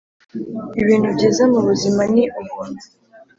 ibintu byiza mubuzima ni ubuntu.